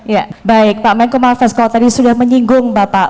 ya baik pak menko marves kalau tadi sudah menyinggung bapak